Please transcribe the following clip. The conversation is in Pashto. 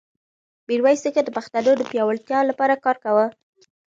میرویس نیکه د پښتنو د پیاوړتیا لپاره کار کاوه.